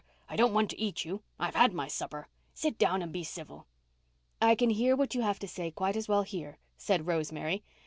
I don't want to eat you—I've had my supper. Sit down and be civil." "I can hear what you have to say quite as well here," said Rosemary.